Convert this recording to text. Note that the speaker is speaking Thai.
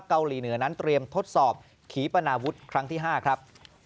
เกาหลีเหนือนั้นเตรียมทดสอบขีปนาวุฒิครั้งที่๕ครับ